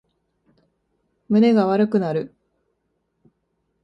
胸が悪くなる